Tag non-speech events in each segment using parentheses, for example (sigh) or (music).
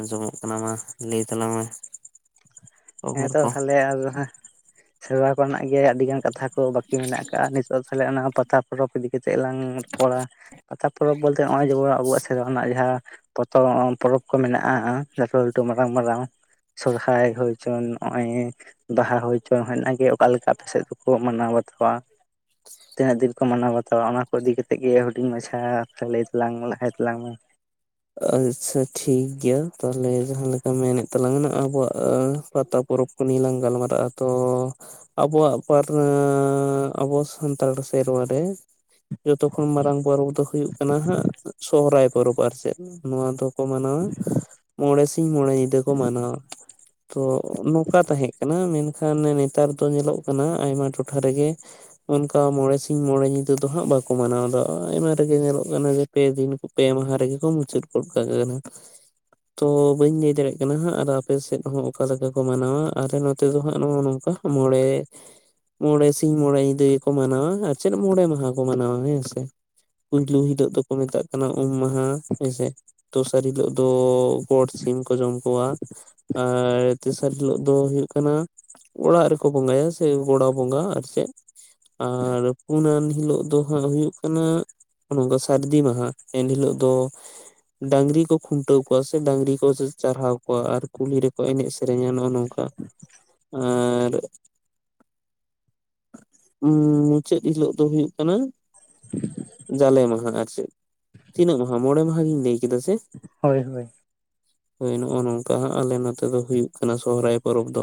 ᱟᱸᱡᱚᱢᱼᱚᱜ ᱠᱟᱱᱟ, ᱢᱟ ᱞᱟᱹᱭ ᱛᱟᱞᱟᱝ ᱢᱮ᱾ ᱠᱷᱚᱵᱚᱨ ᱦᱮᱸᱛᱚ ᱠᱚ ᱛᱟᱦᱞᱮ ᱟᱫᱚ ᱦᱟᱸᱜ ᱥᱮᱨᱣᱟ ᱠᱚᱨᱮᱱᱟᱜ ᱜᱮ ᱟᱹᱰᱤᱜᱟᱱ ᱠᱟᱛᱷᱟ ᱠᱚ, ᱵᱟᱹᱠᱤ ᱢᱮᱱᱟᱜ ᱠᱟᱜᱼᱟ, ᱱᱤᱛᱚᱜ ᱛᱟᱦᱚᱞᱮ ᱚᱱᱟ ᱯᱟᱛᱟ ᱯᱚᱨᱚᱵᱽ ᱤᱫᱤ ᱠᱟᱛᱮᱫ ᱞᱟᱝ ᱨᱚᱯᱚᱲᱟ᱾ ᱯᱟᱛᱟ ᱯᱚᱨᱚᱵᱽ ᱵᱚᱞᱛᱮ ᱦᱚᱜᱼᱚᱭ ᱡᱮᱢᱚᱱ, ᱟᱵᱩᱣᱟᱜ ᱥᱮᱨᱣᱟ ᱨᱮᱱᱟᱜ ᱡᱟᱦᱟᱸ ᱯᱚᱛᱚᱵ ᱚ ᱯᱚᱨᱚᱵᱽ ᱠᱚ ᱢᱮᱱᱟᱜᱼᱟ, ᱞᱟᱹᱴᱩ ᱞᱟᱹᱴᱩ ᱢᱟᱨᱟᱝ ᱢᱟᱨᱟᱝ ᱟᱜ᱾ ᱥᱚᱨᱦᱟᱭ ᱦᱩᱭ ᱪᱚᱣᱟᱱ ᱱᱚᱜ-ᱚᱭ (unintelligible) ᱵᱟᱦᱟ ᱦᱩᱭ ᱪᱚ, ᱦᱳᱭ ᱚᱱᱟᱜᱮ ᱚᱠᱟᱞᱮᱠᱟ ᱟᱯᱮ ᱥᱮᱫ ᱫᱚᱠᱚ ᱢᱟᱱᱟᱣ ᱵᱟᱛᱟᱣᱟ? ᱛᱤᱱᱟᱹᱜ ᱫᱤᱱ ᱠᱚ ᱢᱟᱱᱟᱣ ᱵᱟᱛᱟᱣᱟ ᱚᱱᱟᱠᱚ ᱤᱫᱤ ᱠᱟᱛᱮᱜ ᱜᱮ ᱦᱩᱰᱤᱧ ᱢᱟᱪᱷᱟ ᱞᱟᱹᱭ ᱛᱟᱞᱟᱝ ᱢᱮ, ᱞᱟᱦᱟᱭ ᱛᱟᱞᱟᱝ ᱢᱮ᱾ ᱟᱪᱪᱷᱟ ᱴᱷᱤᱠ ᱜᱮᱭᱟ ᱛᱟᱦᱞᱮ ᱡᱟᱦᱟᱸᱞᱮᱠᱟ ᱢᱮᱱᱮᱫ ᱛᱟᱞᱟᱝ ᱱᱟᱜ ᱟᱵᱩᱣᱟᱜ ᱟᱸᱻ ᱯᱟᱛᱟ ᱯᱚᱨᱚᱵᱽ ᱠᱚᱜᱮ ᱞᱟᱝ ᱜᱟᱞᱢᱟᱨᱟᱜ-ᱟ, ᱛᱚ ᱟᱵᱚᱣᱟᱜ ᱯᱟᱛ, ᱟᱸᱻ ᱟᱵᱚ ᱥᱟᱱᱛᱟᱲ ᱥᱮᱨᱣᱟ ᱨᱮ ᱡᱚᱛᱚ ᱠᱷᱚᱱ ᱢᱟᱨᱟᱝ ᱯᱚᱨᱚᱵᱽ ᱫᱚ ᱦᱩᱭᱩᱜ ᱠᱟᱱᱟ ᱦᱟᱸᱜ ᱥᱚᱦᱨᱟᱭ ᱯᱚᱨᱚᱵᱽ ᱟᱨ ᱪᱮᱫ᱾ ᱱᱚᱣᱟ ᱫᱚᱠᱚ ᱢᱟᱱᱟᱣᱟ ᱢᱚᱬᱮ ᱥᱤᱧ ᱢᱚᱬᱮ ᱧᱤᱫᱟᱹ ᱠᱚ ᱢᱟᱱᱟᱣᱟ ᱛᱚ, ᱱᱚᱝᱠᱟ ᱛᱟᱦᱮᱸ ᱠᱟᱱᱟ ᱢᱮᱱᱠᱷᱟᱱ ᱱᱮᱛᱟᱨ ᱫᱚ ᱧᱮᱞᱚᱜ ᱠᱟᱱᱟ ᱟᱭᱢᱟ ᱴᱚᱴᱷᱟ ᱨᱮ ᱜᱮ ᱚᱱᱠᱟ ᱢᱚᱬᱮ ᱥᱤᱧ ᱢᱚᱬᱮ ᱧᱤᱫᱟᱹ ᱫᱚ ᱦᱟᱸᱜ ᱵᱟᱠᱚ ᱢᱟᱱᱟᱣᱫᱟ, ᱟᱭᱢᱟ ᱨᱮ ᱜᱮ ᱧᱮᱞᱚᱜ ᱠᱟᱱᱟ ᱡᱮ ᱯᱮ ᱫᱤᱱ ᱠᱚ, ᱯᱮ ᱢᱟᱦᱟ ᱨᱮ ᱜᱮ ᱠᱩ ᱢᱩᱪᱟᱹᱫ ᱜᱚᱫ ᱠᱟᱜ ᱠᱟᱱᱟ᱾ (inaudible) ᱛᱚ ᱵᱟᱹᱧ ᱞᱟᱹᱭ ᱫᱟᱲᱮᱜ ᱠᱟᱱᱟ ᱦᱟᱸᱜ ᱟᱨ ᱟᱯᱮ ᱥᱮᱫ ᱦᱚᱸ ᱚᱠᱟ ᱞᱮᱠᱟ ᱠᱚ ᱢᱟᱱᱟᱣᱟ ᱟᱨ ᱱᱚᱛᱮ ᱫᱚ ᱦᱟᱸᱜ ᱱᱚᱜ-ᱚ ᱱᱚᱝᱠᱟ᱾ ᱢᱚᱬᱮ ᱢᱚᱬᱮ ᱥᱤᱧ ᱢᱚᱬᱮ ᱧᱤᱫᱟᱹ ᱜᱮᱠᱚ ᱢᱟᱱᱟᱣᱟ ᱟᱨ ᱪᱮᱫ ᱢᱚᱬᱮ ᱢᱟᱦᱟ ᱠᱚ ᱢᱟᱱᱟᱣᱟ ᱦᱮᱸ ᱥᱮ᱾ ᱯᱳᱭᱞᱳ ᱦᱤᱞᱳᱜ ᱫᱚᱠᱚ ᱢᱮᱛᱟᱜ ᱠᱟᱱᱟ ᱩᱢ ᱢᱟᱦᱟ, ᱦᱮᱸ ᱥᱮ᱾ ᱫᱚᱥᱟᱨ ᱦᱤᱞᱳᱜ ᱫᱚ ᱜᱚᱰ ᱥᱤᱢ ᱠᱚ ᱡᱚᱢ ᱠᱚᱣᱟ᱾ ᱟᱨ ᱛᱮᱥᱟᱨ ᱦᱤᱞᱳᱜ ᱫᱚ ᱦᱩᱭᱩᱜ ᱠᱟᱱᱟ ᱚᱲᱟᱜ ᱨᱮᱠᱚ ᱵᱚᱸᱜᱟᱭᱟ ᱥᱮ ᱜᱚᱲᱟ ᱵᱚᱸᱜᱟ ᱟᱨᱪᱮᱫ᱾ ᱟᱨ ᱯᱩᱱᱟᱱ ᱦᱤᱞᱳᱜ ᱫᱚ ᱦᱟᱸᱜ ᱦᱩᱭᱩᱜ ᱠᱟᱱᱟ, ᱱᱚᱝᱠᱟ ᱥᱟᱨᱫᱤ ᱢᱟᱦᱟ ᱮᱱ ᱦᱤᱞᱚᱜ ᱫᱚ ᱰᱟᱝᱨᱤ ᱠᱚ ᱠᱷᱩᱱᱴᱟᱹᱣ ᱠᱩᱣᱟ ᱥᱮ ᱰᱟᱝᱨᱤ ᱠᱚ ᱪᱟᱨᱦᱟᱣ ᱠᱚᱣᱟ ᱟᱨ ᱠᱩᱞᱦᱤ ᱨᱮᱠᱚ ᱮᱱᱮᱡ ᱥᱮᱨᱮᱧᱟ ᱱᱚᱜ-ᱚ ᱱᱚᱝᱠᱟ ᱟᱨ ᱩᱸ ᱢᱩᱪᱟᱹᱫ ᱦᱤᱞᱳᱜ ᱫᱚ ᱦᱩᱭᱩᱜ ᱠᱟᱱᱟ, (inaudible) ᱡᱟᱞᱮ ᱢᱟᱦᱟ ᱟᱨ ᱪᱮᱫ, ᱛᱤᱱᱟᱹᱜ ᱢᱟᱦᱟ ᱢᱚᱬᱮ ᱢᱟᱦᱟ ᱜᱤᱧ ᱞᱟᱹᱭ ᱠᱮᱫᱟ ᱥᱮ? ᱦᱳᱭ ᱦᱳᱭ᱾ ᱦᱳᱭ ᱱᱚᱜ-ᱚ ᱱᱚᱝᱠᱟ ᱦᱟᱸᱜ ᱟᱞᱮ ᱱᱚᱛᱮ ᱫᱚ ᱦᱩᱭᱩᱜ ᱠᱟᱱᱟ ᱥᱚᱦᱨᱟᱭ ᱯᱚᱨᱚᱵᱽ ᱫᱚ᱾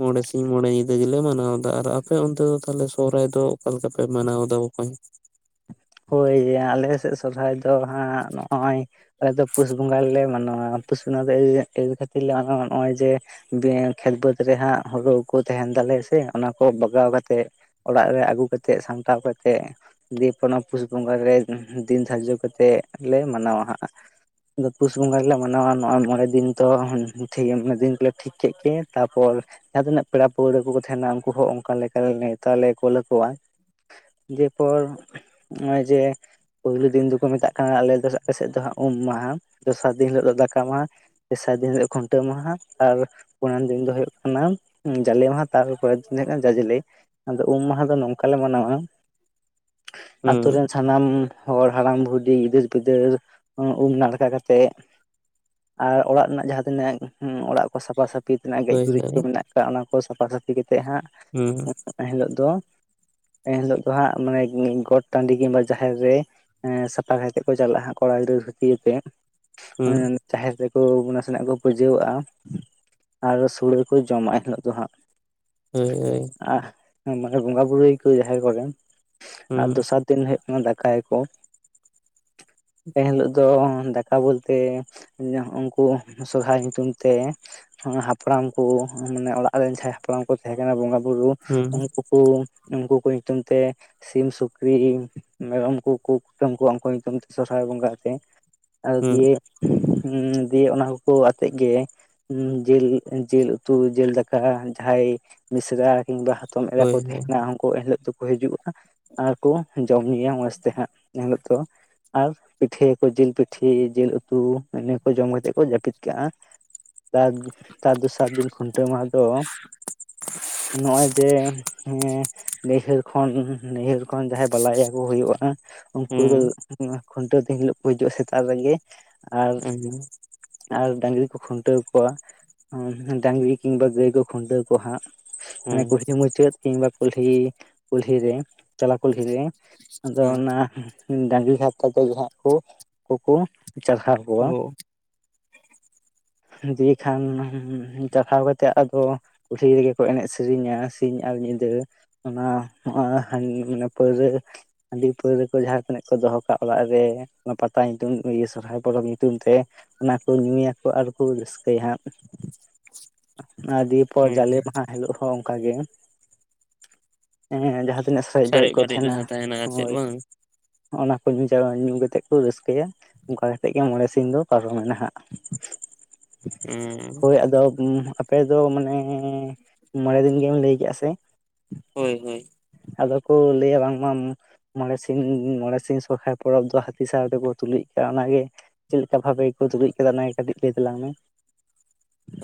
ᱢᱚᱬᱮ ᱥᱤᱧ ᱢᱚᱬᱮ ᱧᱤᱫᱟᱹ ᱜᱮᱞᱮ ᱢᱟᱱᱟᱣᱫᱟ, ᱟᱨ ᱟᱯᱮ ᱚᱱᱛᱮ ᱫᱚ ᱛᱟᱦᱞᱮ ᱥᱚᱦᱨᱟᱭ ᱫᱚ ᱚᱠᱟ ᱞᱮᱠᱟ ᱯᱮ ᱢᱟᱱᱟᱣᱫᱟ ᱵᱚᱠᱚᱧ? ᱦᱳᱭ ᱭᱟ ᱟᱞᱮ ᱥᱮᱜ ᱥᱚᱨᱦᱟᱭ ᱫᱚ ᱦᱟᱸᱜ ᱱᱚᱜ-ᱚᱭ ᱟᱞᱮ ᱫᱚ ᱯᱩᱥ ᱵᱚᱸᱜᱟ ᱨᱮᱞᱮ ᱢᱟᱱᱟᱣᱟ, ᱟᱨ ᱯᱩᱥ ᱵᱚᱸᱜᱟ ᱫᱚ ᱤᱭᱟᱹ ᱠᱷᱟᱹᱛᱤᱨᱞᱮ ᱢᱟᱱᱟᱣᱟ ᱱᱚᱜ-ᱚᱭ ᱡᱮ ᱡᱮ, ᱠᱷᱮᱛ ᱵᱟᱹᱫᱽ ᱨᱮ ᱦᱟᱸᱜ ᱦᱩᱲᱩ ᱠᱚ ᱛᱟᱸᱦᱮᱱ ᱛᱟᱞᱮᱭᱟ ᱥᱮ ᱚᱱᱟᱠᱚ ᱵᱟᱜᱟᱣ ᱠᱟᱛᱮᱜ ᱚᱲᱟᱜ ᱨᱮ ᱟᱹᱜᱩ ᱠᱟᱛᱮᱜ, ᱥᱟᱢᱴᱟᱣ ᱠᱟᱛᱮᱜ ᱵᱤᱫ ᱚᱱᱟ ᱯᱩᱥ ᱵᱚᱸᱜᱟ ᱨᱮ ᱫᱤᱱ ᱫᱷᱟᱨᱡᱚ ᱠᱟᱛᱮᱜ ᱞᱮ ᱢᱟᱱᱟᱣᱟ ᱦᱟᱸᱜ᱾ ᱟᱫᱚ ᱯᱩᱥ ᱵᱚᱸᱜᱟ ᱜᱮᱞᱮ ᱢᱟᱱᱟᱣᱟ, ᱱᱚᱜ-ᱚᱭ ᱢᱚᱬᱮ ᱫᱤᱱ ᱛᱚ ᱦᱩᱸ ᱦᱩᱸ ᱴᱷᱤᱠ ᱢᱟᱱᱮ ᱫᱤᱱ ᱠᱚᱞᱮ ᱴᱷᱤᱠ ᱠᱮᱫ ᱜᱮ ᱛᱟᱯᱚᱨ ᱡᱟᱦᱟᱸ ᱛᱤᱱᱟᱹᱜ ᱯᱮᱲᱟ ᱯᱟᱹᱣᱲᱟᱹ ᱠᱚᱠᱚ ᱛᱟᱸᱦᱮᱱᱟ ᱩᱱᱠᱩ ᱦᱚᱸ ᱚᱱᱠᱟ ᱞᱮᱠᱟ ᱱᱮᱣᱛᱟ ᱞᱮ ᱠᱩᱞ ᱟᱠᱚᱣᱟ᱾ ᱡᱮ ᱯᱚᱨ ᱱᱚᱜ-ᱚᱭ ᱡᱮ, ᱯᱳᱭᱞᱳ ᱫᱤᱱ ᱫᱚᱠᱚ ᱢᱮᱛᱟᱜ ᱠᱟᱱᱟ, ᱟᱞᱮ ᱫᱚ ᱟᱞᱮ ᱥᱮᱫ ᱫᱚ ᱦᱟᱸᱜ ᱩᱢ ᱢᱟᱦᱟ, ᱫᱚᱥᱟᱨ ᱫᱤᱱ ᱦᱤᱞᱳᱜ ᱫᱚ ᱫᱟᱠᱟ ᱢᱟᱦᱟ᱾ ᱛᱮᱥᱟᱨ ᱫᱤᱱ ᱦᱤᱞᱳᱜ ᱠᱷᱩᱱᱴᱟᱹᱣ ᱢᱟᱦᱟ, ᱟᱨ ᱯᱩᱱᱟᱱ ᱫᱤᱱ ᱫᱚ ᱦᱩᱭᱩᱜ ᱠᱟᱱᱟ ᱡᱟᱞᱮ ᱢᱟᱦᱟ, ᱛᱟᱨᱚᱯᱚᱨᱮᱨ ᱫᱤᱱ ᱫᱚ ᱦᱩᱭᱩᱜ ᱠᱟᱱᱟ ᱡᱟᱡᱽᱞᱮ᱾ ᱟᱫᱚ ᱩᱢ ᱢᱟᱦᱟ ᱫᱚ ᱱᱚᱝᱠᱟ ᱞᱮ ᱢᱟᱱᱟᱣᱟ ᱦᱩᱸ ᱟᱛᱳ ᱨᱮᱱ ᱥᱟᱱᱟᱢ ᱦᱚᱲ, ᱦᱟᱲᱟᱢ, ᱵᱷᱩᱰᱤ, ᱜᱤᱫᱟᱹᱨ-ᱯᱤᱫᱟᱹᱨ ᱩᱢ ᱱᱟᱲᱠᱟ ᱠᱟᱛᱮᱫ ᱟᱨ ᱚᱲᱟᱜ ᱨᱮᱱᱟᱜ ᱡᱟᱦᱟᱸ ᱛᱤᱱᱟᱹᱜ, ᱩᱸ ᱚᱲᱟᱜ ᱠᱚ ᱥᱟᱯᱷᱟ ᱥᱟᱯᱷᱤ᱾ ᱯᱤ ᱛᱮᱱᱟᱜ ᱜᱮᱡ ᱦᱳᱭ ᱜᱩᱨᱤᱡ ᱦᱳᱭ ᱠᱚ ᱢᱮᱱᱟᱜ ᱟᱠᱟᱫ ᱚᱱᱟ ᱠᱚ ᱥᱟᱯᱷᱟ ᱥᱟᱹᱯᱷᱤ ᱠᱟᱛᱮᱫ ᱦᱟᱸᱜ ᱦᱮᱸ ᱮᱱ ᱦᱤᱞᱳᱜ ᱫᱚ ᱮᱱᱦᱤᱞᱳᱜ ᱫᱚ ᱦᱟᱸᱜ ᱢᱟᱱᱮ ᱜᱚᱴ ᱴᱟᱺᱰᱤ ᱠᱤᱢᱵᱟ ᱡᱟᱦᱮᱨ ᱨᱮ ᱥᱟᱯᱷᱟ ᱠᱟᱛᱮᱜ ᱠᱚ ᱪᱟᱞᱟᱜᱼᱟ ᱠᱚᱲᱟ ᱜᱤᱫᱽᱨᱟᱹ ᱫᱷᱩᱛᱤᱟᱛᱮᱜ ᱦᱩᱸ ᱡᱟᱦᱮᱨ ᱨᱮᱠᱚ ᱱᱟᱥᱮᱱᱟᱜ ᱠᱚ ᱯᱩᱡᱟᱹᱣᱟᱜᱼᱟ ᱟᱨ ᱥᱳᱲᱮ ᱠᱚ ᱡᱚᱢᱟᱜ ᱮᱱ ᱦᱤᱞᱳᱜ ᱫᱚ ᱦᱟᱸᱜ ᱦᱳᱭ ᱦᱳᱭ ᱟᱜ ᱢᱟᱱᱮ ᱵᱚᱸᱜᱟ ᱵᱩᱨᱩᱳᱭ ᱠᱚ ᱡᱟᱦᱮᱨ ᱠᱚᱨᱮ ᱟᱨ ᱦᱩᱸ ᱫᱚᱥᱟᱨ ᱫᱤᱱ ᱦᱩᱭᱩᱜ ᱠᱟᱱᱟ ᱫᱟᱠᱟᱭᱟᱠᱚ ᱮᱱᱦᱤᱞᱳᱜ ᱫᱚ ᱫᱟᱠᱟ ᱵᱚᱞᱛᱮ ᱩᱱᱠᱩ ᱥᱚᱨᱦᱟᱭ ᱧᱩᱛᱩᱢ ᱛᱮ ᱦᱟᱯᱲᱟᱢ ᱠᱚ ᱢᱟᱱᱮ ᱚᱲᱟᱜ ᱨᱮᱱ ᱡᱟᱦᱟᱸᱭ ᱦᱟᱯᱲᱟᱢ ᱠᱚ ᱛᱟᱦᱮᱸ ᱠᱟᱱᱟ ᱵᱚᱸᱜᱟ ᱵᱩᱨᱩ ᱦᱩᱸ ᱩᱱᱠᱩ ᱠᱚ ᱩᱱᱠᱩ ᱠᱚ ᱧᱩᱛᱩᱢ ᱛᱮ ᱥᱤᱢ ᱥᱩᱠᱨᱤ ᱢᱮᱨᱚᱢ ᱠᱚ ᱠᱚ ᱠᱩᱴᱟᱹᱢ ᱠᱚᱣᱟ ᱩᱱᱠᱩ ᱧᱩᱛᱩᱢ ᱛᱮ ᱥᱚᱦᱨᱟᱭ ᱵᱚᱸᱜᱟ ᱨᱮ᱾ ᱟᱨ ᱦᱩᱸ ᱫᱤᱭᱮ ᱫᱤᱭᱮ ᱚᱱᱟ ᱠᱚ ᱟᱛᱮᱜ ᱜᱮ ᱡᱮᱞ ᱡᱮᱞ ᱩᱛᱩ ᱡᱮᱞ ᱫᱟᱠᱟ ᱡᱟᱦᱟᱸᱭ ᱢᱤᱥᱨᱟ ᱠᱤᱢᱵᱟ ᱦᱚᱯᱚᱱ ᱮᱨᱟ ᱦᱳᱭ ᱠᱚ ᱦᱳᱭ ᱛᱟᱦᱮᱸᱱᱟ ᱩᱱᱠᱩ ᱮᱱᱦᱤᱞᱳᱜ ᱫᱚᱠᱚ ᱦᱤᱡᱩᱜ-ᱟ᱾ ᱟᱨ ᱠᱚ ᱡᱚᱢ ᱧᱩᱭᱟ ᱢᱚᱡ ᱛᱮ ᱦᱟᱸᱜ ᱮᱱᱦᱤᱞᱳᱜ ᱫᱚ᱾ ᱟᱨ ᱯᱤᱴᱷᱟᱹᱭ ᱟᱠᱚ ᱡᱤᱞ ᱯᱤᱴᱷᱟᱹ ᱡᱤᱞ ᱩᱛᱩ ᱤᱱᱟᱹ ᱠᱚ ᱡᱚᱢ ᱠᱟᱛᱮᱫ ᱠᱚ ᱡᱟᱹᱯᱤᱫ ᱠᱟᱜ-ᱟ᱾ ᱛᱟᱨ ᱛᱟᱨ ᱫᱚᱥᱟᱨ ᱫᱤᱱ ᱠᱷᱩᱱᱴᱟᱹᱣ ᱢᱟᱦᱟ ᱫᱚ ᱱᱚᱜᱼᱚᱭ ᱡᱮ ᱱᱟᱹᱭᱦᱟᱹᱨ ᱠᱷᱚᱱ ᱱᱟᱹᱭᱦᱟᱹᱨ ᱠᱷᱚᱱ ᱡᱟᱦᱟᱸᱭ ᱵᱟᱞᱟᱭᱟ ᱠᱚ ᱦᱩᱭᱩᱜ-ᱟ ᱩᱱᱠᱩ ᱫᱚ ᱦᱩᱸ ᱱᱚᱣᱟ ᱠᱷᱩᱱᱴᱟᱹᱣ ᱫᱤᱱ ᱦᱤᱞᱳᱜ ᱠᱚ ᱦᱤᱡᱩᱜ-ᱟ ᱥᱮᱛᱟᱜ ᱨᱮᱜᱮ, ᱟᱨ ᱦᱩᱸ ᱟᱨ ᱰᱟᱹᱟᱝᱨᱤ ᱠᱚ ᱠᱷᱩᱱᱴᱟᱹᱣ ᱠᱚᱣᱟ ᱰᱟᱹᱟᱝᱨᱤ ᱠᱤᱢᱵᱟ ᱜᱟᱹᱭ ᱠᱚ ᱠᱷᱩᱱᱴᱟᱹᱣ ᱠᱚᱣᱟ ᱦᱟᱸᱜ ᱾ ᱢᱟᱱᱮ ᱦᱩᱸ ᱠᱩᱞᱦᱤ ᱢᱩᱪᱟᱹᱫ ᱠᱤᱢᱵᱟ ᱠᱩᱞᱦᱤ ᱠᱩᱞᱦᱤ ᱨᱮ ᱛᱟᱞᱟ ᱠᱩᱞᱦᱤ ᱨᱮ ᱾ ᱟᱫᱚ ᱦᱩᱸ ᱚᱱᱟ ᱰᱟᱹᱝᱨᱤ ᱦᱟᱨᱛᱟ ᱛᱮ ᱡᱟᱦᱟᱸᱠᱩ ᱩᱱᱠᱩᱠᱩ ᱪᱟᱨᱦᱟᱣ ᱠᱚᱣᱟ ᱾ ᱚ ᱫᱤᱭᱮ ᱠᱷᱟᱱ ᱪᱟᱨᱦᱟᱣ ᱠᱟᱛᱮ ᱟᱫᱚ ᱠᱩᱞᱦᱤ ᱨᱮᱜᱮ ᱠᱚ ᱮᱱᱮᱡ ᱥᱮᱨᱮᱧᱟ ᱥᱤᱧ ᱟᱨ ᱧᱤᱫᱟᱹ ᱚᱱᱟ (unintelligible) ᱢᱟᱱᱮ ᱯᱟᱹᱣᱨᱟᱹ ᱦᱟᱹᱰᱤ ᱯᱟᱹᱣᱨᱟᱹ ᱠᱚ ᱡᱟᱦᱟᱸ ᱛᱤᱱᱟᱹᱜ ᱠᱚ ᱫᱚᱦᱚ ᱠᱟᱜᱼᱟ ᱚᱲᱟᱜ ᱨᱮ ᱚᱱᱟ ᱯᱟᱛᱟ ᱧᱩᱛᱩᱢ ᱤᱭᱟᱹ ᱥᱚᱨᱦᱟᱭ ᱯᱚᱨᱚᱵ ᱧᱩᱛᱩᱢ ᱛᱮ ᱚᱱᱟ ᱠᱩ ᱧᱩᱭᱟᱠᱚ ᱟᱨᱠᱚ ᱨᱟᱹᱥᱠᱟᱹᱭᱟ, ᱦᱟᱸᱜ, ᱚᱱᱟ ᱫᱤᱭᱮ ᱛᱟᱯᱚᱨ ᱦᱳᱭ ᱡᱟᱞᱮ ᱦᱳᱭ ᱢᱟᱦᱟ ᱦᱤᱞᱳᱜ ᱦᱚᱸ ᱚᱱᱠᱟ ᱜᱮ, ᱮ ᱡᱟᱦᱟᱸ ᱛᱤᱱᱟᱹᱜ ᱥᱟᱡ ᱵᱟᱹᱲᱤᱡ ᱥᱟᱨᱮᱡ ᱠᱚ ᱵᱟᱨᱮᱡ ᱛᱟᱦᱮᱸᱱᱟ ᱡᱟᱦᱟᱸ ᱛᱟᱦᱮᱱᱟ ᱟᱨ ᱪᱮᱫ ᱦᱳᱭ, ᱵᱟᱝ ᱚᱱᱟᱠᱚ ᱧᱩ ᱠᱟᱛᱮᱫ ᱠᱚ ᱨᱟᱹᱥᱠᱟᱹᱭᱟ᱾ ᱚᱱᱠᱟ ᱠᱟᱛᱮᱜ ᱜᱮ, ᱢᱚᱬᱮ ᱥᱤᱧ ᱫᱚ ᱯᱟᱨᱚᱢᱱᱟ ᱦᱟᱜ, ᱩᱸ ᱦᱳᱭ ᱟᱫᱚ, ᱟᱯᱮ ᱫᱚ ᱢᱟᱱᱮ ᱢᱚᱬᱮ ᱫᱤᱱ ᱜᱮᱢ ᱞᱟᱹᱭ ᱠᱮᱫᱼᱟ ᱥᱮ? ᱦᱳᱭ, ᱦᱳᱭ, ᱟᱫᱚ ᱠᱚ ᱞᱟᱹᱭᱟ ᱵᱟᱝᱢᱟᱢ ᱩᱢ ᱢᱚᱬᱮ ᱥᱤᱧ ᱢᱚᱬᱮ ᱥᱤᱧ ᱥᱚᱨᱦᱟᱭ ᱯᱚᱨᱚᱵᱽ ᱫᱚ, ᱦᱟᱹᱛᱤ ᱥᱟᱶ ᱛᱮᱠᱚ ᱛᱩᱞᱩᱡ ᱠᱟᱜᱼᱟ, ᱚᱱᱟᱜᱮ ᱪᱮᱫ ᱞᱮᱠᱟ ᱵᱷᱟᱵ ᱜᱮ ᱠᱚ ᱛᱩᱲᱩᱡ ᱟᱠᱟᱫᱟ ᱚᱱᱟ ᱠᱟᱹᱴᱤᱡ ᱞᱟᱹᱭ ᱛᱟᱞᱟᱝ ᱢᱮ,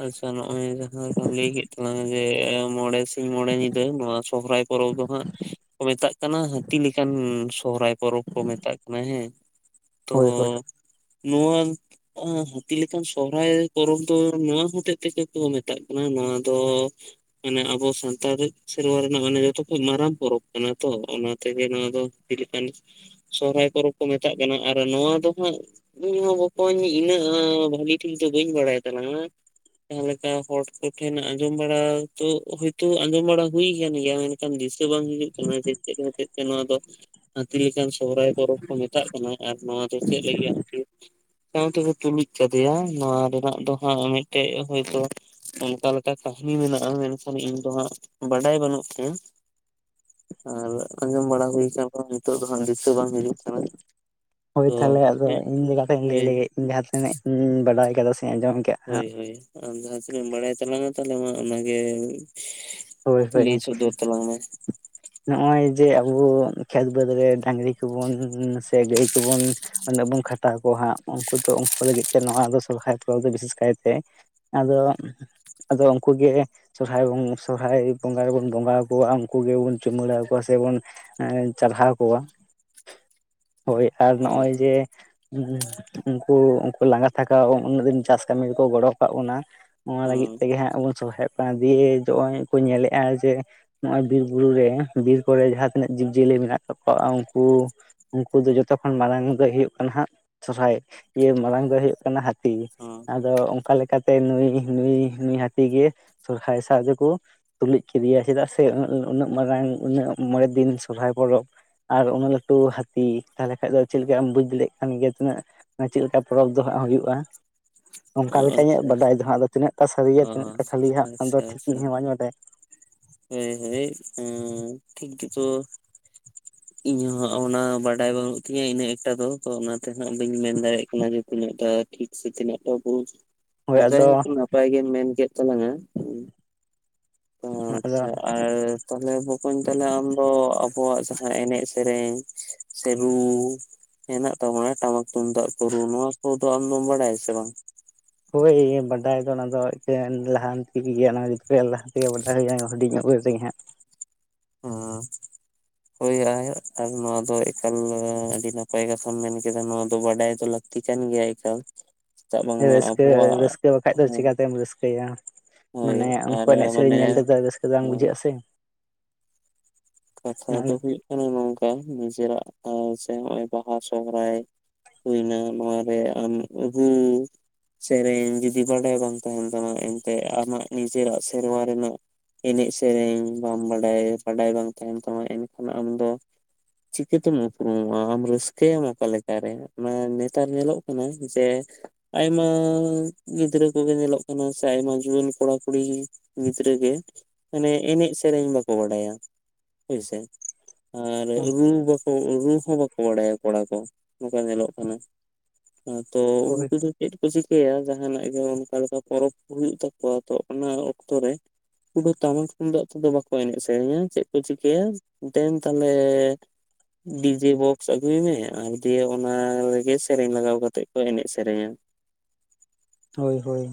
ᱟᱪᱪᱷᱟ ᱱᱚᱜᱼᱚᱭ ᱡᱟᱦᱟᱸ ᱞᱮᱠᱟᱢ ᱞᱟᱹᱭ ᱠᱮᱫ ᱛᱟᱞᱟᱝᱟ ᱡᱮ, ᱢᱚᱬᱮ ᱥᱤᱧ ᱢᱚᱬᱮ ᱧᱤᱫᱟᱹ ᱱᱚᱣᱟ ᱥᱚᱦᱚᱨᱟᱭ ᱯᱚᱨᱚᱵᱽ ᱫᱚ ᱦᱟᱸᱜ ᱠᱚ ᱢᱮᱛᱟᱜ ᱠᱟᱱᱟ ᱦᱟᱹᱛᱤ ᱞᱮᱠᱟᱱ ᱥᱚᱦᱚᱨᱟᱭ ᱯᱚᱨᱚᱵᱽ ᱠᱚ ᱢᱮᱛᱟᱜ ᱠᱟᱱᱟ, ᱦᱮᱸ ᱛᱚ ᱦᱳᱭ ᱦᱳᱭ ᱱᱚᱣᱟ ᱚ ᱦᱟᱹᱛᱤ ᱞᱮᱠᱟᱱ ᱥᱚᱦᱚᱨᱟᱭ ᱯᱚᱨᱚᱵᱽ ᱫᱚ ᱱᱚᱣᱟ ᱦᱚᱛᱮᱡ ᱛᱮᱜᱮ ᱠᱚ ᱢᱮᱛᱟᱜ ᱠᱟᱱᱟ ᱱᱚᱣᱟ ᱫᱚ ᱢᱟᱱᱮ ᱟᱵᱚ ᱥᱟᱱᱛᱟᱲ ᱥᱮᱨᱣᱟ ᱨᱮᱱᱟᱜ, ᱢᱟᱱᱮ ᱡᱚᱛᱚ ᱠᱷᱚᱡ ᱢᱟᱨᱟᱝ ᱯᱚᱨᱚᱵᱽ ᱠᱟᱱᱟ ᱛᱚ, ᱚᱱᱟ ᱛᱮᱜᱮ ᱱᱚᱣᱟ ᱫᱚ (unintelligible) ᱥᱚᱦᱨᱟᱭ ᱯᱚᱨᱚᱵᱽ ᱠᱚ ᱢᱮᱛᱟᱜ ᱠᱟᱱᱟ ᱟᱨ ᱱᱚᱣᱟ ᱫᱚ ᱦᱟᱸᱜ ᱤᱧ ᱦᱚᱸ ᱵᱚᱠᱚᱧ ᱤᱱᱟᱹᱜ ᱮ ᱵᱷᱟᱜᱮ ᱴᱷᱤᱠ ᱫᱚ ᱵᱟᱹᱧ ᱵᱟᱲᱟᱭ ᱛᱟᱞᱟᱝᱟ᱾ ᱡᱟᱦᱟᱸ ᱞᱮᱠᱟ ᱦᱚᱲ ᱠᱚᱴᱷᱮᱱ ᱟᱸᱡᱚᱢ ᱵᱟᱲᱟ ᱛᱚ ᱦᱚᱭᱛᱳ ᱟᱸᱡᱚᱢ ᱵᱟᱲᱟ ᱦᱩᱭ ᱠᱟᱱ ᱜᱮᱭᱟ ᱢᱟᱱᱮ ᱠᱟᱱ ᱫᱤᱥᱟᱹ ᱵᱟᱝ ᱦᱤᱡᱩᱜ ᱠᱟᱱᱟ ᱡᱮ ᱪᱮᱫ ᱦᱚᱛᱮᱫ ᱛᱮ ᱱᱚᱣᱟ ᱫᱚ ᱦᱟᱹᱛᱤ ᱞᱮᱠᱟᱱ ᱥᱚᱨᱚᱦᱟᱭ ᱯᱚᱨᱚᱵᱽ ᱠᱚ ᱢᱮᱛᱟᱜ ᱠᱟᱱᱟ᱾ ᱟᱨ ᱱᱚᱣᱟ ᱫᱚ ᱪᱮᱫ ᱞᱟᱹᱜᱤᱫ ᱦᱟᱹᱛᱤ ᱥᱟᱸᱣ ᱛᱮᱠᱚ ᱛᱩᱞᱩᱡ ᱠᱟᱫᱮᱭᱟ ᱱᱚᱣᱟ ᱨᱮᱱᱟᱜ ᱫᱚ ᱦᱟᱸᱜ ᱢᱤᱫᱴᱮᱡ ᱦᱚᱭᱛᱳ ᱚᱱᱠᱟ ᱞᱮᱠᱟ ᱠᱟᱹᱦᱱᱤ ᱢᱮᱱᱟᱜᱼᱟ, ᱢᱮᱱᱠᱷᱟᱱ ᱤᱧ ᱫᱚ ᱦᱟᱸᱜ ᱵᱟᱰᱟᱭ ᱵᱟᱹᱱᱩᱜ ᱛᱤᱧᱟᱹ᱾ ᱟᱨ ᱟᱸᱡᱚᱢ ᱵᱟᱲᱟ ᱦᱩᱭ ᱠᱟᱱ ᱨᱮᱦᱚᱸ ᱱᱤᱛᱚᱜ ᱫᱚ ᱦᱟᱸᱜ ᱫᱤᱥᱟᱹ ᱵᱟᱝ ᱦᱤᱡᱩᱜ ᱠᱟᱱᱟ᱾ ᱦᱳᱭ ᱛᱚ ᱛᱟᱦᱚᱞᱮ ᱟᱫᱚ ᱦᱳᱭ ᱤᱧ ᱜᱮ ᱠᱟᱛᱷᱟᱧ ᱞᱟᱹᱭ ᱦᱳᱭ ᱞᱮᱜᱮ ᱤᱧ ᱡᱟᱦᱟᱸ ᱛᱤᱱᱟᱹᱜ ᱤᱧ ᱵᱟᱰᱟᱭ ᱠᱟᱫᱟ ᱥᱮ ᱟᱸᱡᱚᱢ ᱠᱟᱜ, ᱦᱳᱭ ᱦᱳᱭ ᱟᱢ ᱡᱟᱦᱟᱸ ᱛᱤᱱᱟᱹᱜ ᱮᱢ ᱵᱟᱲᱟᱭ ᱛᱟᱞᱟᱝᱼᱟ ᱛᱟᱦᱚᱞᱮ ᱢᱟ ᱚᱱᱟᱜᱮ ᱦᱳᱭ ᱦᱳᱭ, ᱞᱟᱹᱭ ᱥᱚᱫᱚᱨ ᱛᱟᱞᱟᱝ ᱢᱮ ᱱᱚᱜᱼᱚᱭ ᱡᱮ ᱟᱵᱚ ᱠᱷᱮᱛ ᱵᱟᱹᱫᱽ ᱨᱮ ᱰᱟᱝᱨᱤ ᱠᱚᱵᱚᱱ ᱥᱮ ᱜᱟᱹᱭ ᱠᱚᱵᱚᱱ ᱩᱱᱟᱹᱜ ᱵᱚᱱ ᱠᱷᱟᱴᱟᱣ ᱠᱚᱣᱟ ᱦᱟᱸᱜ ᱩᱱᱠᱩ ᱫᱚ ᱩᱱᱠᱩ ᱞᱟᱹᱜᱤᱫ ᱛᱮ ᱱᱚᱣᱟ ᱫᱚ ᱥᱚᱨᱦᱟᱭ ᱯᱚᱨᱚᱵᱽ ᱫᱚ ᱵᱤᱥᱮᱥ ᱠᱟᱭᱛᱮ‌ ᱟᱫᱚ, ᱟᱫᱚ ᱩᱱᱠᱩ ᱜᱮ ᱥᱚᱨᱦᱟᱭ ᱵᱚᱱ ᱥᱚᱨᱦᱟᱭ ᱵᱚᱸᱜᱟ ᱨᱮᱵᱚᱱ ᱵᱚᱸᱜᱟ ᱟᱠᱚᱣᱟ, ᱩᱱᱠᱩ ᱜᱮᱵᱚᱱ ᱪᱩᱢᱟᱹᱲᱟ ᱚᱠᱚᱣᱟ ᱥᱮ ᱵᱚᱱ ᱮᱸ ᱪᱟᱨᱦᱟᱣ ᱠᱚᱣᱟ, ᱦᱳᱭ ᱟᱨ ᱦᱳᱭ ᱱᱚᱜᱼᱚᱭ ᱡᱮ ᱩᱱᱠᱩ ᱩᱱᱠᱩ ᱞᱟᱸᱜᱟ ᱛᱷᱟᱠᱟᱣ ᱩᱱᱟᱹᱜ ᱫᱤᱱ ᱪᱟᱥ ᱠᱟᱹᱢᱤ ᱨᱮᱠᱚ ᱜᱚᱲᱚ ᱟᱠᱟᱫ ᱵᱚᱱᱟ, ᱚᱱᱟ ᱞᱟᱹᱜᱤᱫ ᱦᱚᱸ ᱛᱮᱜᱮ ᱦᱟᱸᱜ ᱵᱚᱱ ᱥᱚᱦᱨᱟᱭᱚᱜ ᱠᱟᱱᱟ, ᱫᱤᱭᱮ ᱦᱚᱜᱼᱚᱭ ᱠᱚ ᱧᱮᱞᱮᱫᱼᱟ ᱡᱮ ᱱᱚᱜ-ᱚᱭ ᱵᱤᱨ ᱵᱩᱨᱩ ᱨᱮ, ᱵᱤᱨ ᱠᱚᱨᱮ ᱡᱟᱦᱟᱸᱛᱤᱱᱟᱹᱜ ᱡᱤᱵᱽ ᱡᱤᱭᱟᱹᱞᱤ ᱢᱮᱱᱟᱜ ᱠᱟᱜ ᱠᱚᱣᱟ ᱩᱱᱠᱩ ᱩᱱᱠᱩ ᱫᱚ ᱡᱚᱛᱚ ᱠᱷᱚᱱ ᱢᱟᱲᱟᱝ ᱫᱚᱭ ᱦᱩᱭᱩᱜ ᱠᱟᱱᱟ ᱦᱟᱸᱜ ᱥᱚᱨᱦᱟᱭ ᱤᱭᱟᱹ ᱢᱟᱲᱟᱝ ᱫᱚᱭ ᱦᱩᱭᱩᱜ ᱠᱟᱱᱟ ᱦᱟᱹᱛᱤ᱾ ᱦᱚᱸ ᱟᱫᱚ ᱚᱱᱠᱟ ᱞᱮᱠᱟ ᱛᱮ ᱱᱩᱭ ᱱᱩᱭ ᱱᱩᱭ ᱦᱟᱹᱛᱤ ᱜᱮ ᱥᱚᱨᱦᱟᱭ ᱥᱟᱸᱣ ᱫᱚ ᱠᱚ ᱛᱩᱞᱩᱡ ᱠᱮᱫᱮᱭᱟ ᱪᱮᱫᱟᱜ ᱥᱮ ᱩᱱᱟᱹᱜ ᱮ ᱩᱱᱟᱹᱜ ᱢᱟᱨᱟᱝ ᱩᱱᱟᱹᱜ ᱢᱚᱬᱮ ᱫᱤᱱ ᱥᱚᱨᱦᱟᱭ ᱯᱚᱨᱚᱵᱽ, ᱟᱨ ᱩᱱᱟᱹᱜ ᱞᱟᱹᱴᱩ ᱦᱟᱹᱛᱤ ᱛᱟᱞᱦᱮ ᱠᱷᱟᱡ ᱫᱚ ᱪᱮᱫ ᱞᱮᱠᱟ ᱟᱢ ᱵᱩᱡ ᱫᱟᱲᱮᱜ ᱠᱟᱱ ᱜᱮᱭᱟ ᱛᱤᱱᱟᱹᱜ ᱚᱱᱟ ᱪᱮᱫ ᱞᱮᱠᱟ ᱯᱚᱨᱚᱵᱽ ᱫᱚ ᱦᱟᱸᱜ ᱦᱩᱭᱩᱜᱼᱟ᱾ ᱚ ᱚᱱᱠᱟ ᱞᱮᱠᱟ ᱤᱧᱟᱹᱜ ᱟᱪᱪᱷᱟ ᱵᱟᱰᱟᱭ ᱟᱪᱪᱷᱟ ᱫᱚ ᱦᱟᱸᱜ ᱟᱫᱚ ᱛᱤᱱᱟᱹᱜᱴᱟ ᱥᱟᱹᱨᱤᱭᱟ ᱚ ᱛᱤᱱᱟᱜ ᱠᱷᱟᱹᱞᱤ ᱦᱟᱸᱜ ᱚᱱᱟᱫᱚ ᱟᱪᱪᱷᱟ ᱴᱷᱤᱠ ᱟᱪᱪᱷᱟ ᱤᱧ ᱦᱚᱸ ᱵᱟᱹᱧ ᱵᱟᱰᱟᱭᱟ᱾ ᱦᱳᱭ ᱦᱳᱭ ᱮᱸ ᱴᱷᱤᱠ ᱜᱮᱛᱚ, ᱤᱧ ᱦᱚᱸ ᱚᱱᱟ ᱵᱟᱰᱟᱭ ᱵᱟᱹᱱᱩᱜ ᱛᱤᱧᱟᱹ ᱤᱱᱟᱹᱜ ᱮᱠᱴᱟ ᱫᱚ ᱛᱚ ᱚᱱᱟᱛᱮ ᱦᱟᱸᱜ ᱵᱟᱹᱧ ᱢᱮᱱ ᱫᱟᱲᱮᱭᱟᱜ ᱠᱟᱱᱟ ᱡᱮ ᱛᱤᱱᱟᱹᱜ ᱴᱟ ᱴᱷᱤᱠ ᱥᱮ ᱛᱤᱱᱟᱹᱜ ᱴᱟ ᱵᱷᱩᱞ᱾ ᱛᱚ ᱦᱳᱭ ᱟᱫᱚ ᱡᱟᱭᱦᱳᱠ ᱱᱟᱯᱟᱭ ᱜᱮᱢ ᱢᱮᱱ ᱠᱮᱫ ᱛᱟᱞᱟᱝ-ᱟ᱾ ᱟᱫᱚ ᱟᱪᱪᱷᱟ ᱟᱨ ᱛᱟᱦᱞᱮ ᱵᱚᱠᱚᱧ ᱛᱟᱦᱞᱮ ᱟᱢ ᱫᱚ ᱟᱵᱚᱣᱟᱜ ᱡᱟᱦᱟᱸ ᱮᱱᱮᱡ ᱥᱮᱨᱮᱧ ᱥᱮ ᱨᱩ ᱦᱮᱱᱟᱜ ᱛᱟᱵᱚᱱᱟ ᱴᱟᱢᱟᱠ ᱛᱩᱢᱫᱟᱜ ᱨᱩ ᱱᱚᱣᱟ ᱠᱚᱫᱚ ᱟᱢ ᱫᱚᱢ ᱵᱟᱲᱟᱭᱟ ᱥᱮ ᱵᱟᱝ? ᱦᱳᱭ ᱵᱟᱰᱟᱭ ᱫᱚ ᱚᱱᱟ ᱫᱚ ᱮᱴᱮᱱ ᱞᱟᱦᱟᱱᱛᱤ ᱜᱮᱭᱟ ᱚᱱᱟ ᱡᱚᱛᱚ ᱠᱷᱚᱡ ᱞᱟᱦᱟ ᱛᱮᱜᱮ ᱵᱟᱰᱟᱭ ᱦᱩᱭᱩᱜ-ᱟ ᱦᱩᱰᱤᱧ ᱩᱢᱮᱨ ᱨᱮᱜᱮ ᱦᱟᱸᱜ᱾ (inaudible) ᱦᱳᱭ (unintelligible) ᱟᱨ ᱱᱚᱣᱟ ᱫᱚ ᱮᱠᱟᱞ ᱟᱹᱰᱤ ᱱᱟᱯᱟᱭ ᱠᱟᱛᱷᱟᱢ ᱢᱮᱱ ᱠᱮᱫᱟ ᱱᱚᱣᱟ ᱫᱚ ᱵᱟᱰᱟᱭ ᱫᱚ ᱞᱟᱹᱠᱛᱤ ᱠᱟᱱ ᱜᱮᱭᱟ ᱮᱠᱟᱞ᱾ ᱪᱮᱫᱟᱜ ᱵᱟᱝᱢᱟ ᱨᱟᱹᱥᱠᱟᱹ ᱟᱵᱚᱣᱟᱜ, ᱨᱟᱹᱥᱠᱟᱹ ᱵᱟᱠᱷᱟᱡ ᱫᱚ ᱦᱮᱸ᱾ ᱪᱤᱠᱟᱛᱮᱢ ᱨᱟᱹᱥᱠᱟᱹᱭᱟ ᱦᱳᱭ ᱢᱟᱱᱮ ᱩᱱᱠᱩ ᱟᱨ ᱮᱱᱮᱡ ᱢᱟᱱᱮ, ᱥᱮᱨᱮᱧ ᱧᱮᱞ ᱛᱮᱫᱚ ᱨᱟᱹᱥᱠᱟᱹ ᱫᱚ ᱵᱟᱝ ᱦᱮᱸ᱾ ᱵᱩᱡᱷᱟᱹᱜᱼᱟ ᱥᱮ ᱠᱟᱛᱷᱟ ᱫᱚ ᱚᱱᱟ ᱦᱩᱭᱩᱜ ᱠᱟᱱᱟ ᱱᱚᱝᱠᱟ ᱱᱤᱡᱮᱨᱟᱜ ᱥᱮ ᱦᱚᱸᱜᱼᱚᱭ ᱵᱟᱦᱟ ᱥᱚᱦᱚᱨᱟᱭ ᱦᱩᱭᱱᱟ ᱱᱚᱣᱟ ᱨᱮ ᱟᱢ ᱦᱩᱸᱻ ᱥᱮᱨᱮᱧ ᱡᱩᱫᱤ ᱵᱟᱰᱟᱭ ᱵᱟᱝ ᱛᱟᱦᱮᱸᱱ ᱛᱟᱢᱟ ᱮᱱᱛᱮᱜ ᱟᱢᱟᱜ ᱱᱤᱡᱮᱨᱟᱜ ᱥᱮᱨᱣᱟ ᱨᱮᱱᱟᱜ ᱮᱱᱮᱡ ᱥᱮᱨᱮᱧ ᱵᱟᱢ ᱵᱟᱰᱟᱭ ᱵᱟᱰᱟᱭ ᱵᱟᱝ ᱛᱟᱦᱮᱸᱱ ᱛᱟᱢᱟ ᱮᱱᱠᱷᱟᱱ ᱟᱢᱫᱚ, ᱪᱤᱠᱟᱹᱛᱮᱢ ᱩᱯᱨᱩᱢᱚᱜᱼᱟ ᱟᱢ ᱨᱟᱹᱥᱠᱟᱹᱭᱟᱢ ᱚᱠᱟ ᱞᱮᱠᱟᱨᱮ? ᱢᱟᱱᱮ ᱱᱮᱛᱟᱨ ᱧᱮᱞᱚᱜ ᱠᱟᱱᱟ ᱡᱮ ᱟᱭᱢᱟ ᱜᱤᱫᱽᱨᱟᱹ ᱠᱚ ᱜᱮ ᱧᱮᱞᱚᱜ ᱠᱟᱱᱟ ᱥᱮ ᱟᱭᱢᱟ ᱡᱩᱣᱟᱹᱱ ᱠᱚᱲᱟ ᱠᱩᱲᱤ ᱜᱤᱫᱽᱨᱟᱹ ᱜᱮ ᱢᱟᱱᱮ ᱮᱱᱮᱡ ᱥᱮᱨᱮᱧ ᱵᱟᱠᱚ ᱵᱟᱰᱟᱭᱟ᱾ ᱦᱳᱭᱥᱮ ᱟᱨ ᱨᱩ ᱵᱟ ᱚ ᱨᱩ ᱦᱚᱸ ᱵᱟᱠᱚ ᱵᱟᱲᱟᱭᱟ ᱠᱚᱲᱟ ᱠᱚ ᱱᱚᱝᱠᱟ ᱧᱮᱞᱚᱜ ᱠᱟᱱᱟ, ᱛᱚ ᱦᱳᱭ ᱩᱱᱠᱩ ᱫᱚ ᱪᱮᱫ ᱠᱚ ᱪᱤᱠᱟᱹᱭᱟ ᱡᱟᱦᱟᱸᱱᱟᱜ ᱜᱮ ᱚᱱᱠᱟ ᱞᱮᱠᱟ ᱯᱚᱨᱚᱵᱽ ᱦᱩᱭᱩᱜ ᱛᱟᱠᱚᱣᱟ ᱛᱚ ᱚᱱᱟ ᱚᱠᱛᱚᱨ ᱨᱮ ᱩᱱᱩᱠᱩ ᱫᱚ ᱛᱟᱢᱟᱞ ᱛᱩᱢᱫᱟᱜ ᱛᱮᱫᱚ ᱵᱟᱠᱚ ᱮᱱᱮᱡ ᱥᱮᱨᱮᱧᱟ, ᱪᱮᱫ ᱠᱚ ᱪᱤᱠᱟᱹᱭᱟ ᱫᱮᱱ ᱛᱟᱦᱚᱞᱮ ᱰᱤᱡᱮ ᱵᱚᱠᱥ ᱟᱹᱜᱩᱭ ᱢᱮ ᱟᱨ ᱫᱤᱭᱮ ᱚᱱᱟ ᱨᱮᱜᱮ ᱥᱮᱨᱮᱧ ᱞᱟᱜᱟᱣ ᱠᱟᱛᱮᱜ ᱠᱚ ᱮᱱᱮᱡ ᱥᱮᱨᱮᱧᱟ᱾ ᱦᱳᱭ ᱦᱳᱭ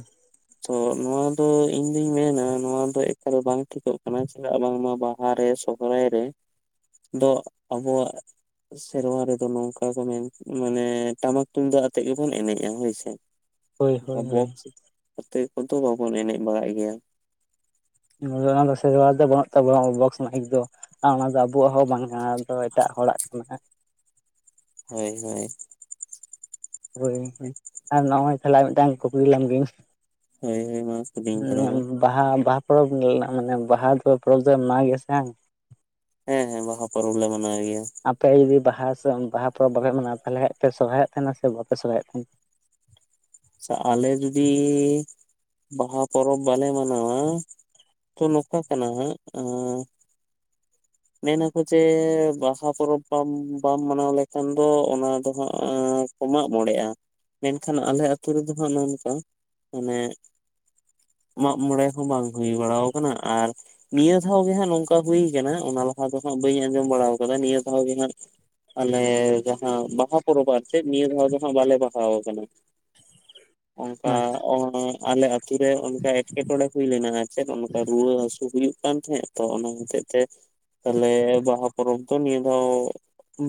ᱛᱚ ᱱᱚᱣᱟ ᱫᱚ ᱤᱧ ᱫᱩᱧ ᱢᱮᱱᱟ ᱱᱚᱣᱟ ᱫᱚ ᱮᱠᱟᱞ ᱵᱟᱝ ᱴᱷᱤᱠᱚᱜ ᱠᱟᱱᱟ ᱪᱮᱫᱟᱜ ᱵᱟᱝᱢᱟ ᱵᱟᱦᱟ ᱨᱮ ᱥᱚ ᱼᱼ ᱠᱚᱨᱟᱭ ᱨᱮ ᱫᱚ ᱟᱵᱚᱣᱟᱜ ᱼᱼ ᱥᱮᱨᱣᱟ ᱨᱮᱫᱚ ᱱᱚᱝᱠᱟ ᱠᱚ ᱢᱮᱱ ᱢᱟᱱᱮ ᱴᱟᱢᱟᱠ ᱛᱩᱢᱫᱟᱜ ᱟᱛᱮᱜ ᱜᱮᱵᱚᱱ ᱮᱱᱮᱡᱼᱟ ᱦᱳᱭ ᱥᱮ ᱾ ᱦᱳᱭ ᱱᱚᱠᱟ ᱦᱳᱭ ᱦᱳᱭ ᱵᱚᱠᱥ ᱠᱚᱛᱮ ᱠᱚᱫᱚ ᱵᱟᱵᱚᱱ ᱮᱱᱮᱡ ᱵᱟᱲᱟᱜ ᱜᱮᱭᱟ ᱾ (unintelligible) ᱥᱮᱨᱣᱟ ᱫᱚ ᱵᱟᱹᱱᱩᱜ ᱛᱟᱵᱚᱣᱟ ᱵᱚᱠᱥ ᱢᱟᱭᱤᱠ ᱫᱚ ᱾ ᱟᱨ ᱚᱱᱟ ᱫᱚ ᱟᱵᱚᱣᱟᱜ ᱦᱚᱸ ᱵᱟᱝ ᱠᱟᱱᱟ ᱟᱫᱚ ᱮᱴᱟᱜ ᱦᱚᱲᱟᱜ ᱠᱟᱱᱟ ᱾ ᱦᱳᱭ ᱦᱳᱭ ᱾ ᱦᱳᱭ ᱼᱼ ᱦᱩᱸ ᱼᱼ ᱟᱨ ᱱᱚᱜ-ᱚᱭ ᱛᱟᱦᱞᱮ ᱢᱤᱫᱴᱟᱝ ᱠᱩᱠᱞᱤ ᱞᱮᱢ ᱜᱤᱧ ᱾ ᱦᱳᱭ ᱦᱳᱭ ᱢᱟ ᱠᱩᱞᱤᱧ ᱛᱟᱞᱟᱝ ᱢᱮ ᱾ ᱵᱟᱦᱟ ᱵᱟᱦᱟ ᱯᱚᱨᱚᱵᱽ ᱨᱤᱱᱟᱜ ᱢᱟᱱᱮ ᱵᱟᱦᱟ ᱫᱚ ᱯᱚᱨᱚᱵᱽ ᱫᱚ ᱢᱟᱱᱟᱣ ᱜᱮ ᱥᱮ ᱾ ᱦᱮᱸ ᱦᱮᱸ ᱵᱟᱦᱟ ᱯᱚᱨᱚᱵᱽ ᱞᱮ ᱢᱟᱱᱟᱣ ᱜᱮᱭᱟ ᱾ ᱟᱯᱮ ᱡᱩᱫᱤ ᱵᱟᱦᱟ ᱥᱮ ᱵᱟᱦᱟ ᱯᱚᱨᱚᱵᱽ ᱵᱟᱯᱮ ᱢᱟᱱᱟᱣ ᱛᱟᱞᱦᱮ ᱠᱷᱟᱡ ᱯᱮ ᱥᱚᱨᱦᱟᱭᱚᱜ ᱛᱟᱦᱮᱱᱟ ᱥᱮ ᱵᱟᱯᱮ ᱥᱚᱨᱦᱟᱭᱚᱜ ᱛᱟᱦᱮᱱᱟ? ᱟᱞᱮ ᱡᱩᱫᱤ ᱵᱟᱦᱟ ᱯᱚᱨᱚᱵᱽ ᱵᱟᱞᱮ ᱢᱟᱱᱟᱣᱟ ᱼᱼ ᱛᱚ ᱱᱚᱠᱟ ᱠᱟᱱᱟ ᱮᱸᱼᱼ ᱢᱮᱱᱟ ᱠᱚ ᱡᱮ ᱵᱟᱦᱟ ᱯᱚᱨᱚᱵᱽ ᱵᱟᱢ ᱵᱟᱢ ᱢᱟᱱᱟᱣ ᱞᱮᱠᱷᱟᱱ ᱫᱚ ᱚᱱᱟ ᱫᱚ ᱦᱟᱸᱜ ᱟᱸᱼᱼ ᱠᱚ ᱢᱟᱜ ᱢᱚᱬᱮᱜᱼᱟ ᱢᱮᱱᱠᱷᱟᱱ ᱟᱞᱮ ᱟᱹᱛᱩ ᱨᱮᱫᱚ ᱦᱟᱸᱜ ᱱᱚᱱᱠᱟ ᱢᱟᱱᱮ ᱼᱼ ᱢᱟᱜ ᱢᱚᱬᱮ ᱦᱚᱸ ᱵᱟᱝ ᱦᱩᱭ ᱵᱟᱲᱟᱣ ᱠᱟᱱᱟ ᱟᱨ ᱱᱤᱭᱟᱹ ᱫᱷᱟᱣ ᱜᱮ ᱦᱟᱸᱜ ᱱᱚᱝᱠᱟ ᱦᱩᱭ ᱠᱟᱱᱟ ᱾ ᱚᱱᱟ ᱞᱟᱦᱟ ᱫᱚᱦᱟᱸᱜ ᱵᱟᱧ ᱟᱸᱡᱚᱢ ᱵᱟᱲᱟᱣ ᱠᱟᱫᱟ ᱱᱤᱭᱟᱹ ᱫᱷᱟᱣ ᱜᱮ ᱦᱟᱸᱜ ᱼᱼ ᱟᱞᱮ ᱡᱟᱦᱟᱸ ᱵᱟᱦᱟ ᱯᱚᱨᱚᱵᱽ ᱟᱨ ᱪᱮᱫ ᱱᱤᱭᱟᱹ ᱫᱷᱟᱣ ᱫᱚ ᱦᱟᱸᱜ ᱵᱟᱞᱮ ᱵᱟᱦᱟᱣ ᱟᱠᱟᱱᱟ ᱾ (inaudible) ᱚᱝᱠᱟ ᱟᱪᱪᱷᱟ ᱚᱱᱮ ᱼᱼ ᱟᱞᱮ ᱟᱹᱛᱩ ᱚᱱᱠᱟ ᱮᱴᱠᱮᱴᱚᱬᱮ ᱦᱩᱭ ᱞᱮᱱᱟ ᱟᱨ ᱪᱮᱫ ᱚᱱᱠᱟ ᱨᱩᱣᱟᱹ ᱦᱟᱹᱥᱩ ᱦᱩᱭᱩᱜ ᱠᱟᱱ ᱛᱟᱦᱮᱸ ᱾ ᱛᱚ ᱚᱱᱟ ᱦᱚᱛᱮᱡ ᱛᱮ ᱼᱼ ᱛᱟᱦᱞᱮ ᱵᱟᱦᱟ ᱯᱚᱨᱚᱵᱽ ᱫᱚ ᱱᱤᱭᱟᱹ ᱫᱷᱟᱣ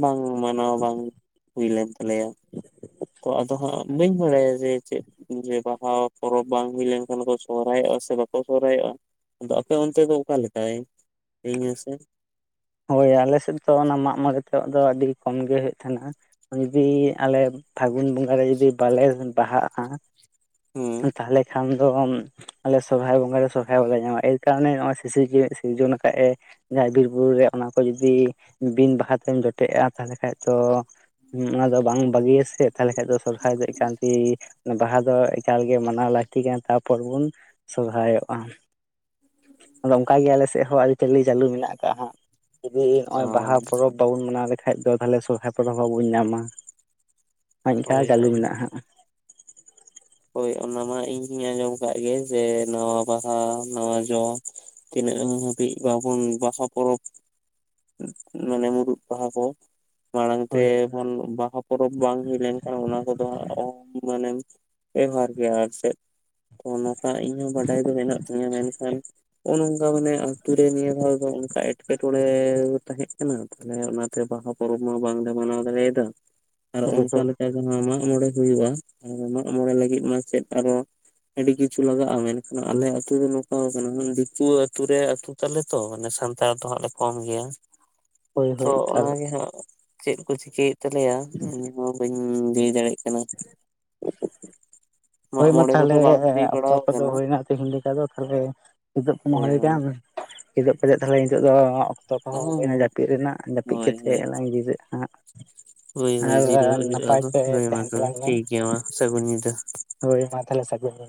ᱵᱟᱝ ᱢᱟᱱᱟᱣᱟ ᱵᱟᱝ ᱼᱼ ᱦᱩᱭ ᱞᱮᱱ ᱛᱟᱞᱮᱭᱟ ᱛᱚ ᱟᱫᱚ ᱦᱟᱸᱜ ᱵᱟᱹᱧ ᱵᱟᱲᱟᱭᱟ ᱡᱮ ᱪᱮᱜ ᱼᱼ ᱡᱮ ᱵᱟᱦᱟ ᱯᱚᱨᱚᱵᱽ ᱵᱟᱝ ᱦᱩᱭ ᱞᱮᱱᱠᱷᱟᱱ ᱠᱚ ᱥᱚᱨᱦᱟᱭᱚᱜᱼᱟ ᱥᱮ ᱵᱟᱠᱚ ᱥᱚᱨᱦᱟᱭᱚᱜᱼᱟ ᱾ ᱟᱫᱚ ᱟᱯᱮ ᱚᱱᱛᱮ ᱫᱚ ᱚᱠᱟ ᱞᱮᱠᱟᱭ ᱞᱟᱹᱭᱤᱧ ᱢᱮᱥᱮ ᱼᱼ ᱦᱳᱭ ᱟᱞᱮ ᱥᱮᱜ ᱫᱚ ᱚᱱᱟ ᱢᱟᱜ ᱢᱚᱬᱮ ᱛᱟᱜ ᱫᱚ ᱟᱹᱰᱤ ᱠᱚᱢ ᱜᱮ ᱦᱩᱭᱩᱜ ᱛᱟᱦᱮᱱᱟ ᱾ ᱡᱩᱫᱤ ᱟᱞᱮ ᱯᱷᱟᱹᱜᱩᱱ ᱵᱚᱸᱜᱟ ᱨᱮ ᱡᱩᱫᱤ ᱵᱟᱞᱮ ᱵᱟᱦᱟᱜᱼᱟ ᱾ ᱦᱩᱸ ᱛᱟᱞᱦᱮ ᱠᱷᱟᱱ ᱫᱚ ᱼᱼ ᱟᱞᱮ ᱥᱚᱨᱦᱟᱭ ᱵᱚᱸᱜᱟ ᱨᱮ ᱥᱚᱨᱦᱟᱭ ᱵᱟᱞᱮ ᱧᱟᱢᱼᱟ ᱮᱭ ᱠᱟᱨᱚᱱ-ᱮ ᱱᱚᱜᱼᱚᱭ ᱥᱤᱥᱤᱨ ᱡᱟᱹᱣᱤᱡ ᱥᱤᱨᱡᱚᱱ ᱠᱟᱜ-ᱮ ᱼᱼ ᱡᱟᱦᱟᱸ ᱵᱤᱨ-ᱵᱩᱨᱩ ᱨᱮ ᱚᱱᱟ ᱠᱚ ᱡᱚᱫᱤ ᱵᱤᱱ ᱵᱟᱦᱟ ᱛᱮᱢ ᱡᱚᱴᱮᱜᱼᱟ ᱛᱟᱞᱦᱮ ᱠᱷᱟᱡ ᱫᱚ ᱼᱼ ᱦᱩᱸ ᱚᱱᱟ ᱫᱚ ᱵᱟᱝ ᱵᱟᱹᱜᱤᱭᱟ ᱥᱮ ᱛᱟᱞᱦᱮ ᱠᱷᱟᱡ ᱫᱚ ᱥᱚᱨᱦᱟᱭ ᱫᱚ ᱮᱠᱟᱱᱛᱤ ᱵᱟᱦᱟ ᱫᱚ ᱼᱼ ᱮᱠᱟᱞ ᱜᱮ ᱢᱟᱱᱟᱣ ᱞᱟᱹᱠᱛᱤ ᱠᱟᱱ ᱛᱟᱯᱚᱨ ᱵᱩᱱ ᱥᱚᱨᱦᱟᱭᱚᱜ-ᱟ ᱾ ᱟᱫᱚ ᱚᱱᱠᱟ ᱜᱮ ᱟᱞᱮ ᱥᱮᱜ ᱦᱚᱸ ᱟᱹᱨᱤ ᱪᱟᱹᱞᱤ ᱪᱟᱹᱞᱩ ᱢᱮᱱᱟᱜ ᱟᱠᱟᱜ ᱦᱟᱸᱜ ᱾ ᱡᱩᱫᱤ ᱱᱚᱜᱼᱚᱭ ᱵᱟᱦᱟ ᱯᱚᱨᱚᱵᱽ ᱵᱟᱵᱚᱱ ᱢᱟᱱᱟᱣ ᱞᱮᱠᱷᱟᱡ ᱫᱚ ᱛᱟᱞᱦᱮ ᱥᱚᱨᱦᱟᱭ ᱯᱚᱨᱚᱵᱽ ᱦᱚᱸ ᱵᱚᱱ ᱧᱟᱢᱟ ᱾ ᱦᱳᱭ ᱤᱝᱠᱟ ᱪᱟᱹᱞᱩ ᱢᱮᱱᱟᱜ-ᱟ ᱦᱟᱸᱜ᱾ ᱦᱳᱭ ᱚᱱᱟ ᱢᱟ ᱤᱧ ᱟᱸᱡᱚᱢ ᱠᱟᱜ ᱜᱮᱭᱟ ᱡᱮ ᱱᱟᱣᱟ ᱵᱟᱦᱟ, ᱱᱟᱣᱟ ᱡᱚ᱾ ᱛᱤᱱᱟᱹᱜ ᱜᱟᱱ ᱦᱟᱹᱵᱤᱡ ᱵᱟᱵᱚᱱ ᱵᱟᱦᱟ ᱯᱚᱨᱚᱵᱽ ᱢᱟᱱᱮ ᱢᱩᱨᱩᱫ ᱵᱟᱦᱟ ᱠᱚ ᱢᱟᱲᱟᱝ ᱛᱮ ᱦᱳᱭ (unintelligible) ᱵᱟᱦᱟ ᱯᱚᱨᱚᱵᱽ ᱵᱟᱝ ᱦᱩᱭ ᱞᱮᱱᱠᱷᱟᱱ ᱚᱱᱟ ᱠᱚᱫᱚ ᱢᱟᱱᱮᱢ ᱵᱮᱵᱦᱟᱨ ᱜᱮᱭᱟ ᱟᱨ ᱪᱮᱫ, ᱚᱱᱟᱠᱟ ᱤᱧᱦᱚᱸ ᱵᱟᱰᱟᱭ ᱫᱚ ᱢᱮᱱᱟᱜ ᱛᱤᱧᱟᱹ ᱢᱮᱱᱠᱷᱟᱱ ᱤᱧᱫᱚ ᱢᱟᱱᱮ ᱟᱛᱩ ᱨᱮ ᱱᱤᱭᱟᱹ ᱵᱷᱟᱨ ᱫᱚ ᱚᱝᱠᱟ ᱮᱴᱠᱮᱴᱚᱬᱮ ᱠᱚ ᱛᱟᱦᱮᱸ ᱠᱟᱱᱟ ᱛᱟᱞᱦᱮ ᱚᱱᱟᱛᱮ ᱵᱟᱦᱟ ᱯᱚᱨᱚᱵᱽ ᱢᱟ ᱵᱟᱝᱞᱮ ᱢᱟᱱᱟᱣ ᱫᱟᱲᱮᱭᱟᱫᱟ ᱟᱨ ᱚᱝᱠᱟ ᱞᱮᱠ ᱟᱫᱚ ᱦᱟᱸᱜ ᱢᱟᱜ ᱢᱚᱬᱮ ᱦᱩᱭᱩᱜ-ᱟ, ᱢᱟᱜ ᱢᱚᱬᱮ ᱞᱟᱹᱜᱤᱫ ᱢᱟ ᱪᱮᱫ ᱟᱨᱚ ᱟᱹᱰᱤ ᱠᱤᱪᱷᱩ ᱞᱟᱜᱟᱜ-ᱟ ᱢᱮᱱᱠᱷᱟᱱ ᱟᱞᱮ ᱟᱛᱩ ᱫᱚ ᱱᱚᱝᱠᱟᱣ ᱠᱟᱱᱟ ᱫᱤᱠᱩ ᱟᱛᱩ ᱨᱮ ᱟᱛᱩ ᱛᱟᱞᱮ ᱛᱚ, ᱢᱟᱱᱮ ᱥᱟᱱᱛᱟᱲ ᱫᱚ ᱦᱟᱸᱜ ᱞᱮ ᱠᱚᱢ ᱜᱮᱭᱟ᱾ ᱦᱳᱭ ᱛᱚ ᱦᱳᱭ ᱮᱠᱟᱞ ᱚᱱᱟᱜᱮ ᱦᱟᱸᱜ ᱪᱮᱫ ᱠᱚ ᱪᱤᱠᱟᱹᱭᱮᱫ ᱛᱟᱞᱮᱭᱟ ᱤᱧᱦᱚᱸ ᱵᱟᱹᱧ ᱞᱟᱹᱭ ᱫᱟᱲᱮᱭᱟᱜ ᱠᱟᱱᱟ᱾ (inaudible) ᱢᱟᱜ ᱦᱳᱭ ᱢᱟ ᱢᱚᱬᱮ ᱠᱚᱫᱚ ᱛᱟᱦᱞᱮ ᱵᱟᱝ ᱦᱩᱭ ᱚᱠᱛᱚ ᱵᱟᱲᱟᱣ ᱠᱚᱫᱚ ᱟᱠᱟᱱᱟ ᱦᱩᱭᱱᱟ ᱛᱤᱦᱤᱧ ᱞᱮᱠᱟ ᱫᱚ, ᱛᱟᱦᱞᱮ ᱠᱤᱫᱤᱯ ᱠᱚᱢᱟ ᱦᱳᱭ ᱦᱩᱭ ᱦᱳᱭ ᱠᱟᱱ᱾ ᱠᱤᱫᱩᱯ ᱠᱟᱛᱮᱫ ᱛᱟᱦᱞᱮ ᱱᱤᱛᱳᱜ ᱫᱚ ᱚᱠᱛᱚ ᱠᱚᱦᱚᱸ ᱦᱩᱭᱮᱱᱟ ᱡᱟᱹᱯᱤᱫ ᱨᱮᱱᱟᱜ ᱡᱟᱹᱯᱤᱫ ᱦᱳᱭ ᱠᱟᱛᱮᱜ ᱦᱳᱭ ᱱᱟᱧ ᱡᱤᱨᱟᱹᱜ-ᱟ ᱦᱟᱸᱜ᱾ ᱦᱳᱭ ᱦᱳᱭ, ᱟᱨ ᱡᱤᱨᱟᱹᱣ ᱵᱟᱲᱟᱜ ᱦᱩᱭᱩᱜ-ᱟ ᱱᱟᱯᱟᱭ ᱟᱫᱚ, ᱛᱮ ᱦᱳᱭ ᱢᱟ ᱛᱟᱦᱮᱱ ᱛᱚᱵᱮ ᱛᱟᱞᱟᱝ ᱢᱮ ᱴᱷᱤᱠ ᱜᱮᱭᱟ ᱢᱟ ᱥᱟᱹᱜᱩᱱ ᱧᱤᱫᱟᱹ᱾ ᱦᱳᱭ, ᱢᱟ ᱛᱟᱦᱞᱮ ᱥᱟᱹᱜᱩᱱ ᱧᱤᱫᱟᱹ᱾